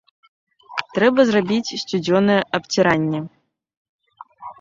Трэба зрабіць сцюдзёнае абціранне!